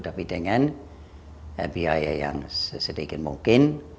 tapi dengan biaya yang sedikit mungkin